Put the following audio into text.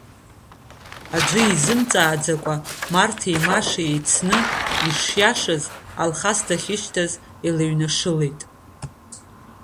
Аӡәгьы имазҵааӡакәа Марҭеи Машеи еицны, ишиашаз, Алхас дахьышьҭаз, илыҩнашылеит.